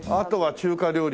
中華料理？